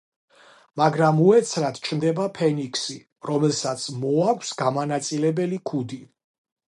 მაგრამ უეცრად ჩნდება ფენიქსი, რომელსაც მოაქვს გამანაწილებელი ქუდი.